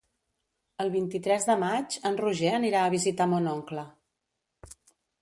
El vint-i-tres de maig en Roger anirà a visitar mon oncle.